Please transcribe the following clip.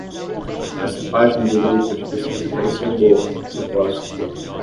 Essa página do grupo de pesquisa parecia boa, a propósito.